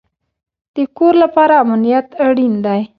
د کور لپاره امنیت اړین دی